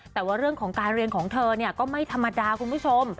แต่ว่าเรื่องของการเรียนของเธอก็ไม่ธรรมดาคุณผู้ชม